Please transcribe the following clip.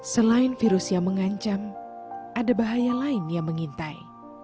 selain virus yang mengancam ada bahaya lain yang mengintai